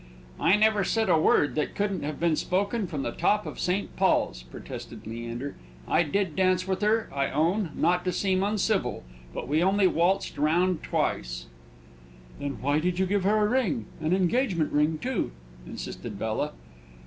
"I never said a word that couldn't have been spoke from the top of St. Paul's," protested Leander. "I did dance with her, I own, not to seem uncivil; but we only waltzed round twice." "Then why did you give her a ring an engagement ring too?" insisted Bella.